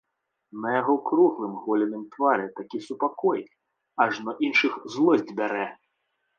На яго круглым голеным твары такі супакой, ажно іншых злосць бярэ.